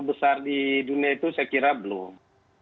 besar di dunia itu saya kira belum